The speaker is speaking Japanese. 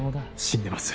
死んでます。